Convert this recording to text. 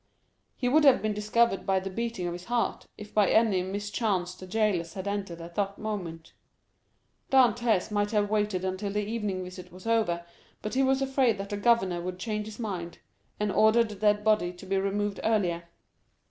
He would have been discovered by the beating of his heart, if by any mischance the jailers had entered at that moment. Dantès might have waited until the evening visit was over, but he was afraid that the governor would change his mind, and order the dead body to be removed earlier.